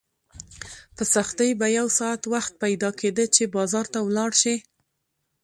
په سختۍ به یو ساعت وخت پیدا کېده چې بازار ته ولاړ شې.